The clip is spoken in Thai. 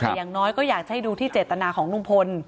แต่อย่างน้อยก็อยากจะให้ดูที่เจตนาของลุงพล